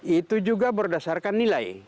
itu juga berdasarkan nilai